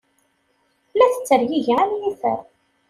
La tettergigi am yifer.